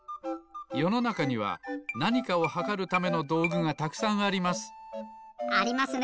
よのなかにはなにかをはかるためのどうぐがたくさんあります。